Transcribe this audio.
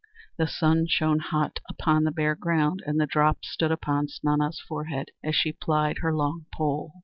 The sun shone hot upon the bare ground, and the drops stood upon Snana's forehead as she plied her long pole.